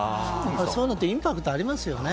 そういうのってインパクトありますよね。